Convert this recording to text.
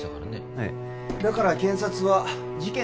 ええだから検察は事件